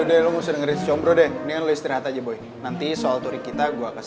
udah lo mau dengerin combro deh ini enggak listrik aja boy nanti soal turi kita gua kasih